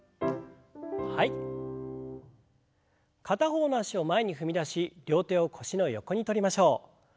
片方の脚を前に踏み出し両手を腰の横に取りましょう。